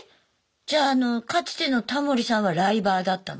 じゃああのかつてのタモリさんはライバーだったの？